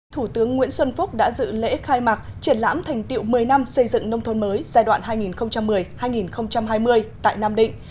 thủ tướng nguyễn xuân phúc đã dự lễ khai mạc triển lãm thành tiệu một mươi năm xây dựng nông thôn mới giai đoạn hai nghìn một mươi hai nghìn hai mươi tại nam định